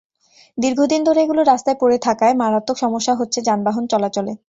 দীর্ঘদিন ধরে এগুলো রাস্তায় পড়ে থাকায় মারাত্মক সমস্যা হচ্ছে যানবাহন চলাচলে।